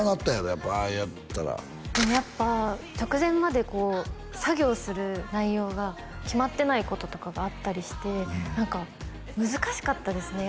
やっぱあれやったらでもやっぱ直前まで作業する内容が決まってないこととかがあったりして何か難しかったですね